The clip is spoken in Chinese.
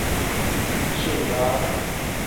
采访大联盟新闻。